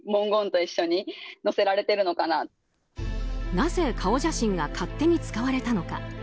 なぜ顔写真が勝手に使われたのか。